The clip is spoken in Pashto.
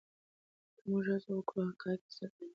که موږ هڅه وکړو حقایق به څرګند شي.